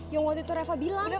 yang waktu itu reva bilang